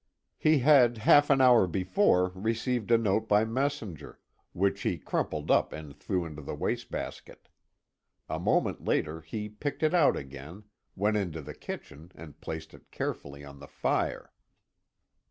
He had half an hour before received a note by messenger, which he crumpled up and threw into the waste basket. A moment later he picked it out again, went into the kitchen and placed it carefully on the fire.